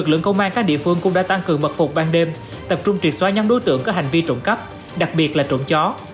công an các địa phương cũng đã tăng cường mật phục ban đêm tập trung triệt xóa nhắn đối tượng có hành vi trộm cấp đặc biệt là trộm chó